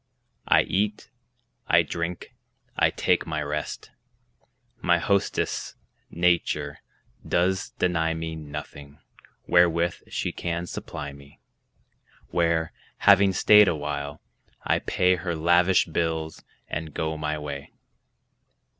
I eat; I drink; I take my rest. My hostess, nature, does deny me Nothing, wherewith she can supply me; Where, having stayed a while, I pay Her lavish bills, and go my way.